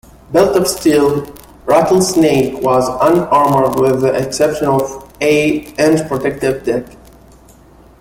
Built of steel, "Rattlesnake" was un-armoured with the exception of a -inch protective deck.